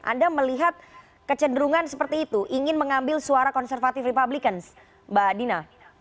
anda melihat kecenderungan seperti itu ingin mengambil suara konservatif republikan mbak dina